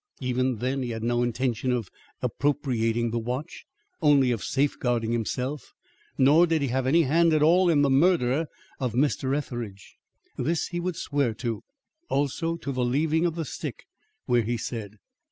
Even then he had no intention of appropriating the watch, only of safe guarding himself, nor did he have any hand at all in the murder of Mr. Etheridge. This he would swear to; also, to the leaving of the stick where he said.